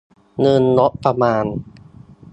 เงินงบประมาณ